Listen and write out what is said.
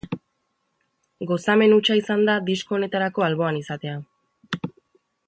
Gozamen hutsa izan da disko honetarako alboan izatea.